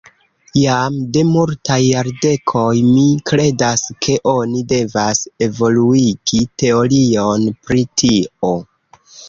Jam de multaj jardekoj mi kredas ke oni devas evoluigi teorion pri tio.